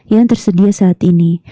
yang tersedia saat ini